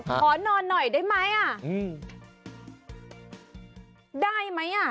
ขอนอนหน่อยได้มั้ยอ่ะ